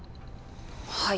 はい。